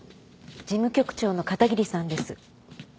事務局長の片桐さんです。